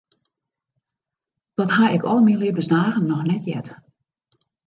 Dat ha ik al myn libbensdagen noch net heard.